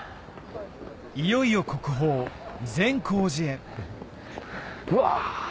いよいよ国宝善光寺へうわ！